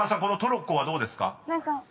このトロッコはどうですか？］